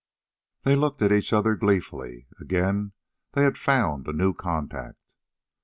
They looked at each other gleefully. Again they had found a new contact.